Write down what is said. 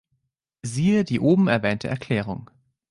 Siehe die oben erwähnte Erklärung.